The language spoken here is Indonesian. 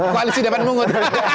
koalisi dapat mungut